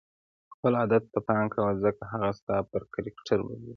خپل عادت ته پام کوه ځکه هغه ستا په کرکټر بدلیږي.